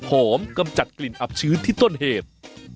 กำจัดกลิ่นอับชื้นที่ต้นเหตุ